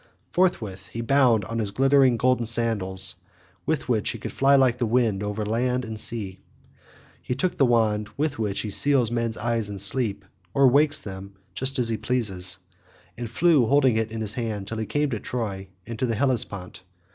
Forthwith he bound on his glittering golden sandals with which he could fly like the wind over land and sea; he took the wand with which he seals men's eyes in sleep, or wakes them just as he pleases, and flew holding it in his hand till he came to Troy and to the Hellespont.